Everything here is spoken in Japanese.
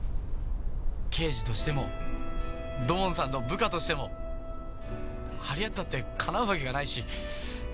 刑事としても土門さんの部下としても張り合ったってかなうわけがないし。